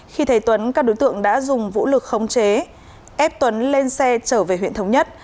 khi thấy tuấn các đối tượng đã dùng vũ lực khống chế ép tuấn lên xe trở về huyện thống nhất